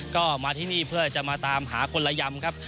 ก็มาที่นี่เพื่อจะมาตามหาคนละยำครับ